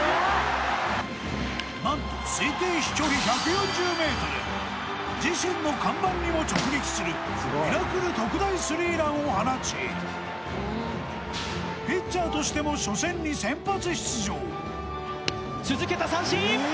何と自身の看板にも直撃するミラクル特大スリーランを放ちピッチャーとしても初戦に先発出場続けた三振！